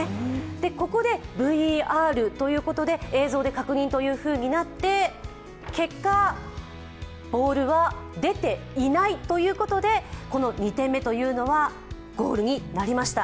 ここでＶＡＲということで、映像で確認となって、結果、ボールは出ていないということでこの２点目というのはゴールになりました。